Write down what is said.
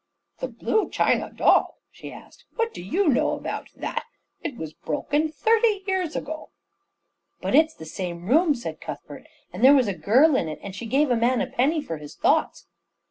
"The blue china dog?" she asked. "What do you know about that? It was broken thirty years ago." "But it's the same room," said Cuthbert, "and there was a girl in it, and she gave a man a penny for his thoughts."